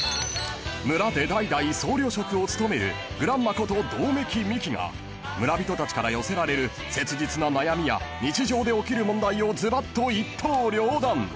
［村で代々総領職を務めるグランマこと百目鬼ミキが村人たちから寄せられる切実な悩みや日常で起きる問題をずばっと一刀両断］